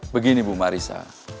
begini bu marissa